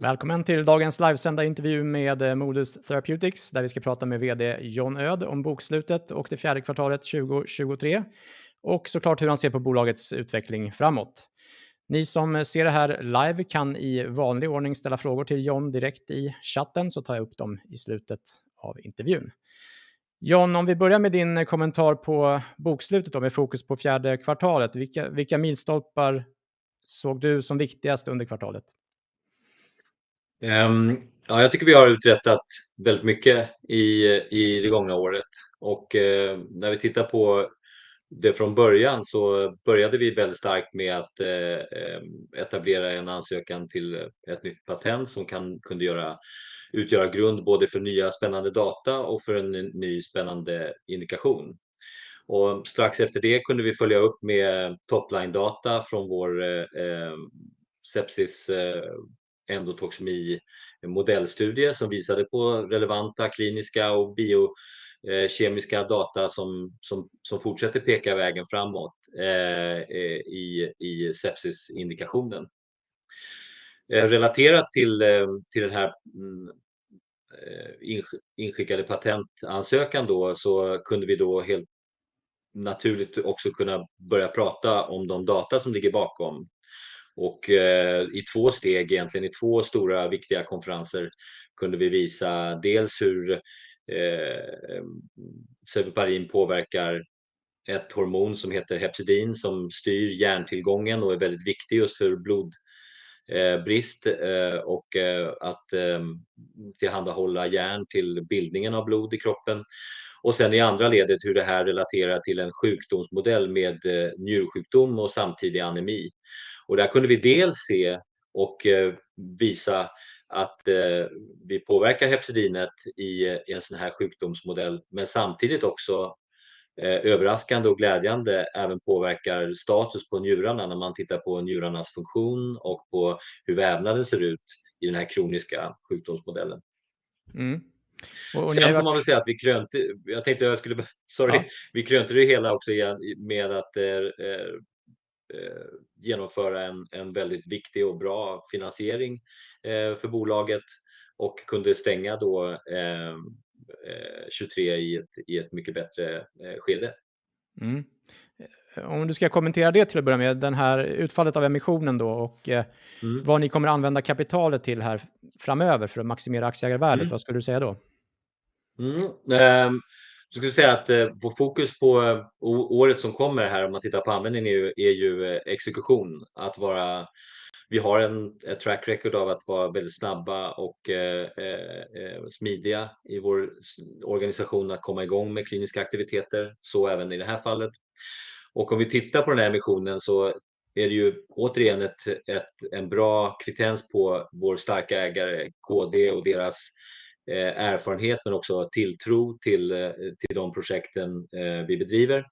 Välkommen till dagens livesända intervju med Modus Therapeutics, där vi ska prata med VD John Öd om bokslutet och det fjärde kvartalet 2023, och såklart hur han ser på bolagets utveckling framåt. Ni som ser det här live kan i vanlig ordning ställa frågor till John direkt i chatten, så tar jag upp dem i slutet av intervjun. John, om vi börjar med din kommentar på bokslutet med fokus på fjärde kvartalet, vilka milstolpar såg du som viktigast under kvartalet? Jag tycker vi har uträttat väldigt mycket i det gångna året. När vi tittar på det från början så började vi väldigt starkt med att etablera en ansökan till ett nytt patent som kunde utgöra grund både för nya, spännande data och för en ny, spännande indikation. Strax efter det kunde vi följa upp med topline-data från vår sepsis-endotoxemi-modellstudie som visade på relevanta kliniska och biokemiska data som fortsätter peka vägen framåt i sepsisindikationen. Relaterat till den här inskickade patentansökan så kunde vi då helt naturligt också kunna börja prata om de data som ligger bakom. I två steg, egentligen i två stora viktiga konferenser, kunde vi visa dels hur cefeparin påverkar ett hormon som heter hepcidin, som styr järntillgången och är väldigt viktig just för blodbrist och att tillhandahålla järn till bildningen av blod i kroppen. Och sen i andra ledet hur det här relaterar till en sjukdomsmodell med njursjukdom och samtidig anemi. Där kunde vi dels se och visa att vi påverkar hepcidinet i en sådan här sjukdomsmodell, men samtidigt också, överraskande och glädjande, även påverkar status på njurarna när man tittar på njurarnas funktion och på hur vävnaden ser ut i den här kroniska sjukdomsmodellen. Och när jag. Sen får man väl säga att vi krönte. Jag tänkte att jag skulle bara—sorry. Vi krönte det ju hela också med att genomföra en väldigt viktig och bra finansiering för bolaget och kunde stänga då 2023 i ett mycket bättre skede. Om du ska kommentera det till att börja med, den här utfallet av emissionen då och vad ni kommer att använda kapitalet till här framöver för att maximera aktieägarvärdet, vad skulle du säga då? Då skulle jag säga att vårt fokus på året som kommer här, om man tittar på användningen, är ju exekution. Att vara—vi har en track record av att vara väldigt snabba och smidiga i vår organisation att komma igång med kliniska aktiviteter, så även i det här fallet. Om vi tittar på den här emissionen så är det ju återigen en bra kvittens på vår starka ägare, KD, och deras erfarenhet, men också tilltro till de projekten vi bedriver.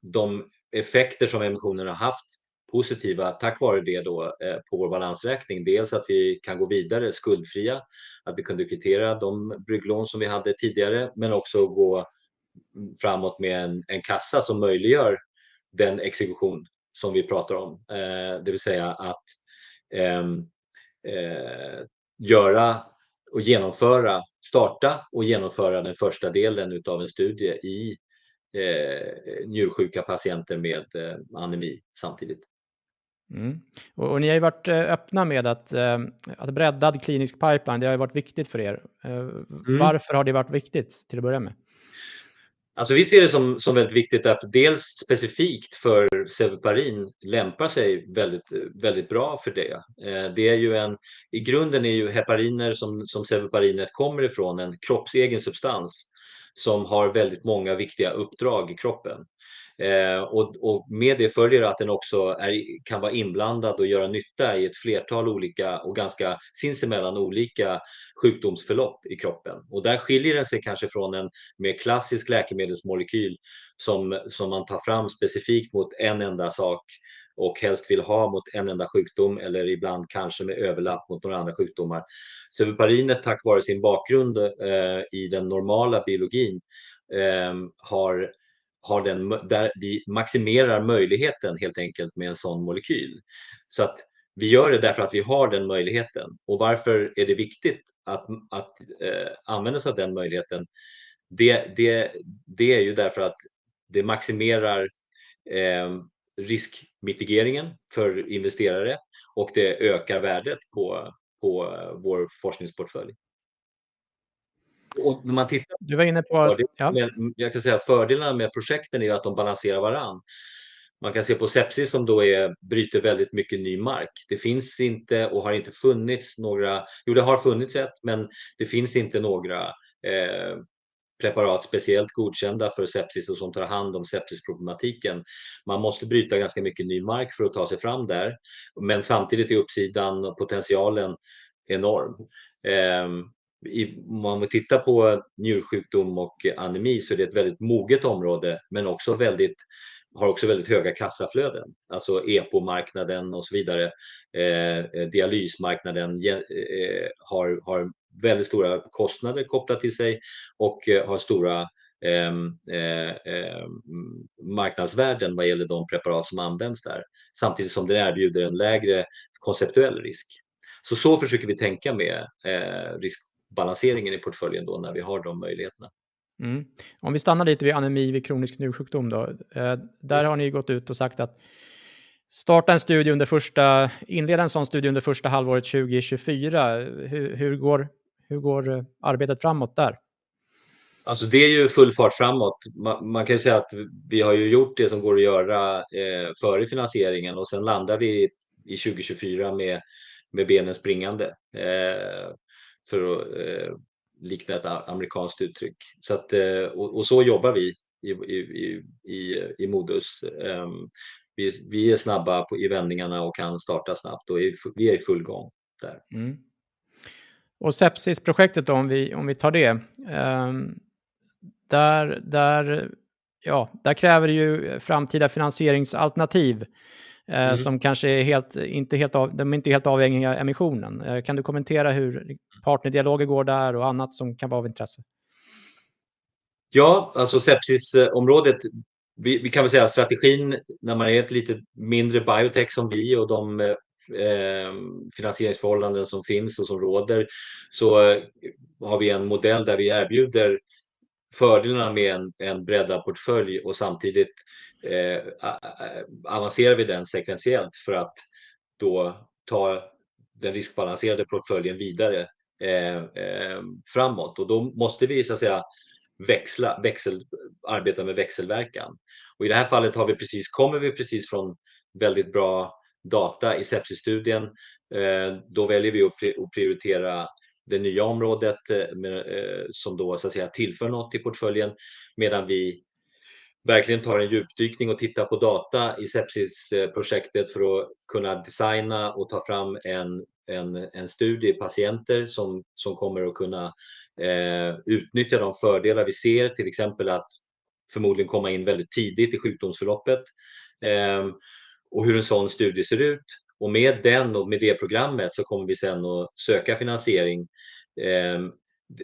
De effekter som emissionen har haft, positiva tack vare det då på vår balansräkning. Dels att vi kan gå vidare skuldfria, att vi kunde kvittera de brygglån som vi hade tidigare, men också gå framåt med en kassa som möjliggör den exekution som vi pratar om. Det vill säga att göra och genomföra, starta och genomföra den första delen av en studie i njursjuka patienter med anemi samtidigt. Och ni har ju varit öppna med att bredda klinisk pipeline. Det har ju varit viktigt för er. Varför har det varit viktigt till att börja med? Alltså, vi ser det som väldigt viktigt därför att dels specifikt för cefeparin lämpar sig väldigt, väldigt bra för det. Det är ju en—i grunden är ju hepariner som cefeparinet kommer ifrån, en kroppsegen substans som har väldigt många viktiga uppdrag i kroppen. Och med det följer att den också kan vara inblandad och göra nytta i ett flertal olika och ganska sinsemellan olika sjukdomsförlopp i kroppen. Och där skiljer den sig kanske från en mer klassisk läkemedelsmolekyl som man tar fram specifikt mot en enda sak och helst vill ha mot en enda sjukdom eller ibland kanske med överlapp mot några andra sjukdomar. Cefeparinet, tack vare sin bakgrund i den normala biologin, har den—där vi maximerar möjligheten helt enkelt med en sådan molekyl. Så att vi gör det därför att vi har den möjligheten. Och varför är det viktigt att använda sig av den möjligheten? Det är ju därför att det maximerar riskmitigeringen för investerare och det ökar värdet på vår forskningsportfölj. Och när man tittar. Du var inne på att. Ja, men jag kan säga att fördelarna med projekten är ju att de balanserar varandra. Man kan se på sepsis som då bryter väldigt mycket ny mark. Det finns inte och har inte funnits några—jo, det har funnits ett, men det finns inte några preparat speciellt godkända för sepsis och som tar hand om sepsisproblematiken. Man måste bryta ganska mycket ny mark för att ta sig fram där, men samtidigt är uppsidan och potentialen enorm. Om man tittar på njursjukdom och anemi så är det ett väldigt moget område, men också väldigt—har också väldigt höga kassaflöden, alltså EPO-marknaden och så vidare. Dialysmarknaden har väldigt stora kostnader kopplade till sig och har stora marknadsvärden vad gäller de preparat som används där, samtidigt som den erbjuder en lägre konceptuell risk. Så försöker vi tänka med riskbalanseringen i portföljen då när vi har de möjligheterna. Om vi stannar lite vid anemi vid kronisk njursjukdom då. Där har ni ju gått ut och sagt att starta en studie under första—inleda en sådan studie under första halvåret 2024. Hur går arbetet framåt där? Alltså, det är ju full fart framåt. Man kan ju säga att vi har ju gjort det som går att göra före finansieringen och sen landar vi i 2024 med benen springande, för att likna ett amerikanskt uttryck. Och så jobbar vi i Modus. Vi är snabba på i vändningarna och kan starta snabbt och vi är i full gång där. Och sepsisprojektet då, om vi tar det. Där kräver det ju framtida finansieringsalternativ som kanske är helt—inte helt avhängiga av emissionen. Kan du kommentera hur partnerdialoger går där och annat som kan vara av intresse? Ja, alltså sepsisområdet. Vi kan väl säga att strategin, när man är ett lite mindre biotech som vi och de finansieringsförhållanden som finns och som råder, så har vi en modell där vi erbjuder fördelarna med en breddad portfölj och samtidigt avancerar vi den sekventiellt för att då ta den riskbalanserade portföljen vidare framåt. Och då måste vi, så att säga, växla—arbeta med växelverkan. Och i det här fallet har vi precis—kommer vi precis från väldigt bra data i sepsisstudien. Då väljer vi att prioritera det nya området med som då, så att säga, tillför något till portföljen, medan vi verkligen tar en djupdykning och tittar på data i sepsisprojektet för att kunna designa och ta fram en studie i patienter som kommer att kunna utnyttja de fördelar vi ser, till exempel att förmodligen komma in väldigt tidigt i sjukdomsförloppet och hur en sådan studie ser ut. Och med den och med det programmet så kommer vi sedan att söka finansiering.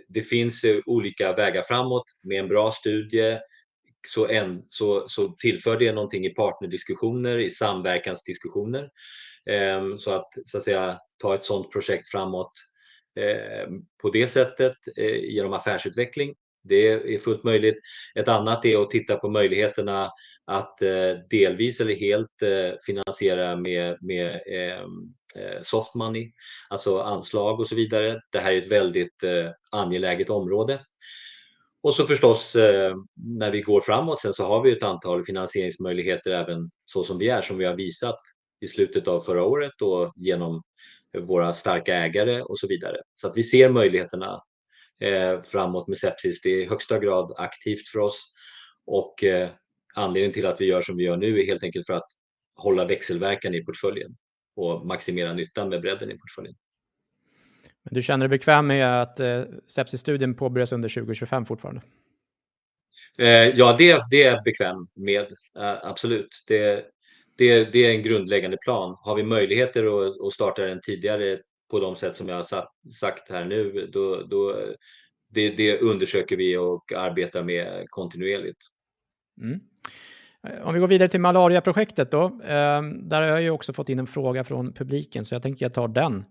Det finns olika vägar framåt. Med en bra studie så tillför det någonting i partnerdiskussioner, i samverkansdiskussioner, så att, så att säga, ta ett sådant projekt framåt på det sättet genom affärsutveckling. Det är fullt möjligt. Ett annat är att titta på möjligheterna att delvis eller helt finansiera med soft money, alltså anslag och så vidare. Det här är ett väldigt angeläget område. Och så förstås, när vi går framåt sedan, så har vi ju ett antal finansieringsmöjligheter även så som vi är, som vi har visat i slutet av förra året och genom våra starka ägare och så vidare. Så att vi ser möjligheterna framåt med sepsis. Det är i högsta grad aktivt för oss och anledningen till att vi gör som vi gör nu är helt enkelt för att hålla växelverkan i portföljen och maximera nyttan med bredden i portföljen. Men du känner dig bekväm med att sepsisstudien påbörjas under 2025 fortfarande? Ja, det är jag bekväm med. Absolut. Det är en grundläggande plan. Har vi möjligheter att starta den tidigare på de sätt som jag har sagt här nu, då undersöker vi och arbetar med kontinuerligt. Om vi går vidare till malariaprojektet då. Där har jag ju också fått in en fråga från publiken, så jag tänkte att jag tar den.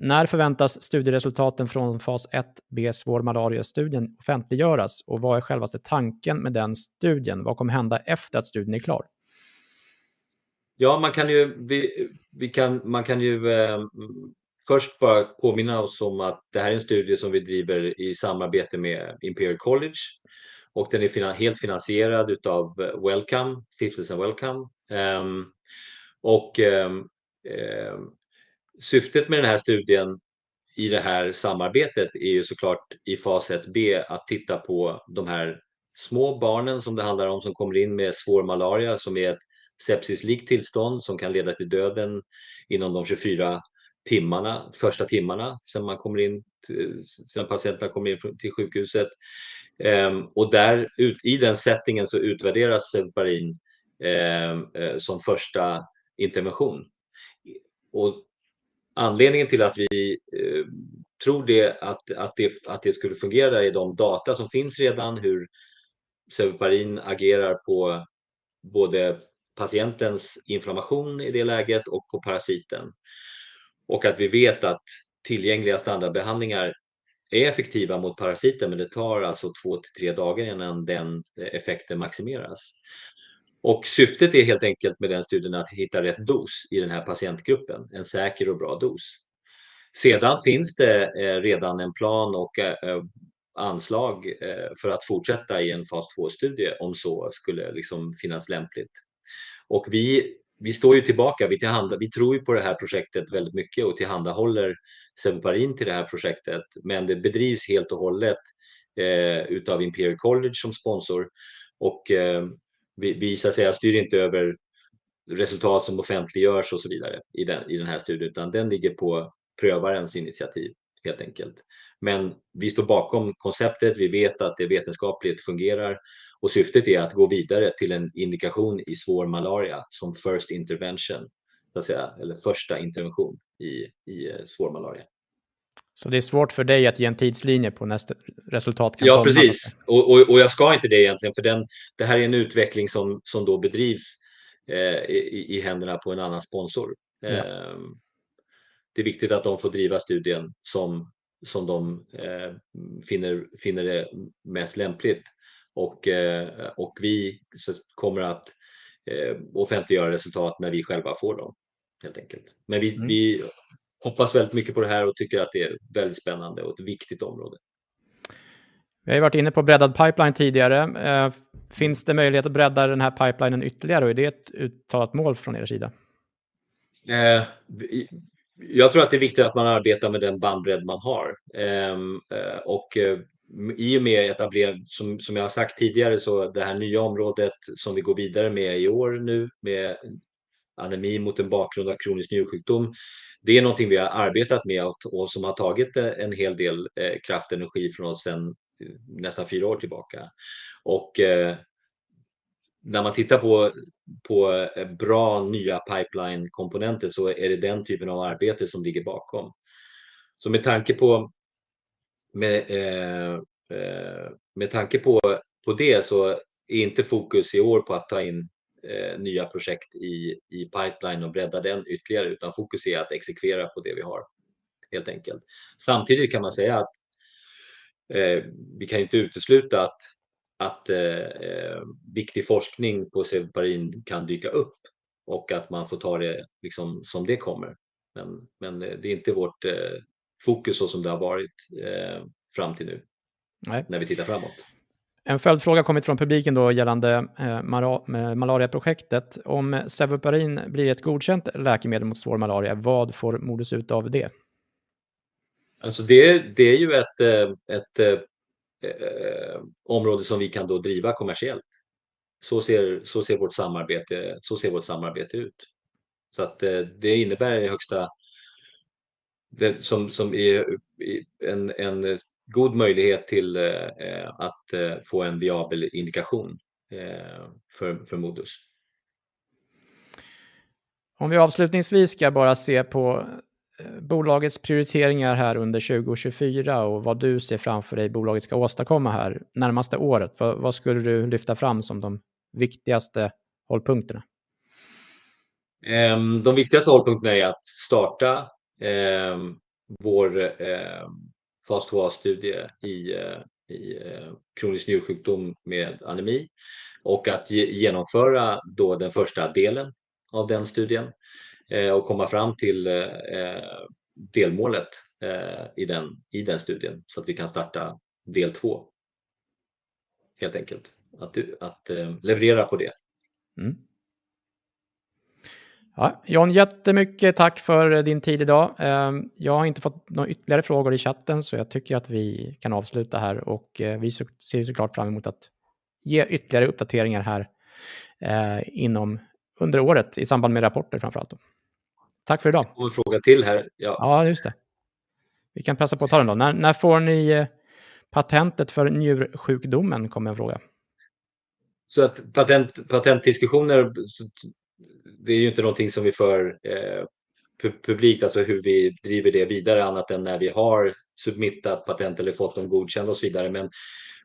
När förväntas studieresultaten från fas ett B-svår malaria-studien offentliggöras och vad är självaste tanken med den studien? Vad kommer hända efter att studien är klar? Ja, man kan ju—vi kan—man kan ju först bara påminna oss om att det här är en studie som vi driver i samarbete med Imperial College och den är helt finansierad av Wellcome, Stiftelsen Wellcome. Och syftet med den här studien i det här samarbetet är ju såklart i fas ett B att titta på de här små barnen som det handlar om som kommer in med svår malaria, som är ett sepsislikt tillstånd som kan leda till döden inom de 24 timmarna, första timmarna sedan man kommer in, sedan patienterna kommer in till sjukhuset. Och där, i den settingen, så utvärderas cefeparin som första intervention. Och anledningen till att vi tror det, att det skulle fungera i de data som finns redan, hur cefeparin agerar på både patientens inflammation i det läget och på parasiten. Och att vi vet att tillgängliga standardbehandlingar är effektiva mot parasiten, men det tar alltså två till tre dagar innan den effekten maximeras. Syftet är helt enkelt med den studien att hitta rätt dos i den här patientgruppen, en säker och bra dos. Sedan finns det redan en plan och anslag för att fortsätta i en fas två-studie om så skulle finnas lämpligt. Vi står ju tillbaka. Vi tillhandahåller—vi tror ju på det här projektet väldigt mycket och tillhandahåller cefeparin till det här projektet, men det bedrivs helt och hållet av Imperial College som sponsor. Vi styr inte över resultat som offentliggörs och så vidare i den här studien, utan den ligger på prövarens initiativ helt enkelt. Men vi står bakom konceptet. Vi vet att det vetenskapligt fungerar och syftet är att gå vidare till en indikation i svår malaria som first intervention, så att säga, eller första intervention i svår malaria. Så det är svårt för dig att ge en tidslinje på när nästa resultat kan komma? Ja, precis. Och jag ska inte det egentligen, för det här är en utveckling som bedrivs i händerna på en annan sponsor. Det är viktigt att de får driva studien som de finner det mest lämpligt. Och vi kommer att offentliggöra resultat när vi själva får dem helt enkelt. Men vi hoppas väldigt mycket på det här och tycker att det är väldigt spännande och ett viktigt område. Vi har ju varit inne på breddad pipeline tidigare. Finns det möjlighet att bredda den här pipelinen ytterligare och är det ett uttalat mål från er sida? Jag tror att det är viktigt att man arbetar med den bandbredd man har. Och i och med etablering, som jag har sagt tidigare, så det här nya området som vi går vidare med i år nu med anemi mot en bakgrund av kronisk njursjukdom, det är någonting vi har arbetat med och som har tagit en hel del kraft och energi från oss sedan nästan fyra år tillbaka. Och när man tittar på bra nya pipeline-komponenter så är det den typen av arbete som ligger bakom. Så med tanke på det så är inte fokus i år på att ta in nya projekt i pipeline och bredda den ytterligare, utan fokus är att exekvera på det vi har helt enkelt. Samtidigt kan man säga att vi kan ju inte utesluta att viktig forskning på cefeparin kan dyka upp och att man får ta det som det kommer. Men det är inte vårt fokus så som det har varit fram till nu. Nej, när vi tittar framåt. En följdfråga har kommit från publiken då gällande malariaprojektet. Om cefeparin blir ett godkänt läkemedel mot svår malaria, vad får Modus ut av det? Alltså, det är ju ett område som vi kan driva kommersiellt. Så ser vårt samarbete ut. Det innebär i högsta grad en god möjlighet att få en viabel indikation för Modus. Om vi avslutningsvis ska bara se på bolagets prioriteringar här under 2024 och vad du ser framför dig bolaget ska åstadkomma här närmaste året. Vad skulle du lyfta fram som de viktigaste hållpunkterna? De viktigaste hållpunkterna är att starta vår fas två-studie i kronisk njursjukdom med anemi och att genomföra den första delen av den studien och komma fram till delmålet i den studien så att vi kan starta del två helt enkelt. Att leverera på det. Ja, Jan, jättemycket tack för din tid idag. Jag har inte fått några ytterligare frågor i chatten, så jag tycker att vi kan avsluta här och vi ser ju såklart fram emot att ge ytterligare uppdateringar här inom under året i samband med rapporter framför allt då. Tack för idag. Det kom en fråga till här. Ja. Ja, just det. Vi kan passa på att ta den då. När får ni patentet för njursjukdomen? Kommer en fråga. Patent, patentdiskussioner, det är ju inte någonting som vi för publikt, alltså hur vi driver det vidare annat än när vi har submittat patent eller fått dem godkända och så vidare. Men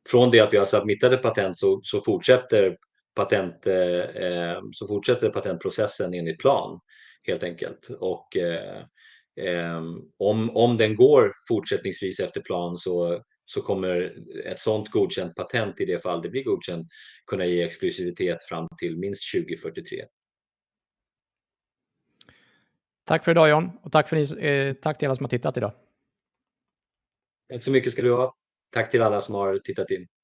från det att vi har submittat ett patent så fortsätter patentprocessen enligt plan helt enkelt. Och om den går fortsättningsvis efter plan så kommer ett sådant godkänt patent, i det fall det blir godkänt, kunna ge exklusivitet fram till minst 2043. Tack för idag, Jan, och tack för er. Tack till alla som har tittat idag. Tack så mycket ska du ha. Tack till alla som har tittat in.